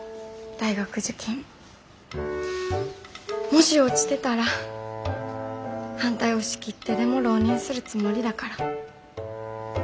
もし落ちてたら反対を押し切ってでも浪人するつもりだから。